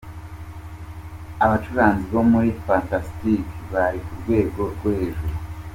Abacuranzi bo muri Fantastic bari ku rwego rwo hejuru.